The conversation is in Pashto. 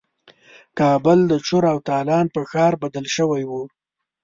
کابل د چور او تالان په ښار بدل شوی وو.